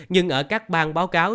nhưng ở các bang báo cáo